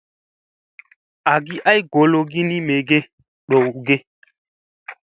Agi ay gologi ni me dow ge.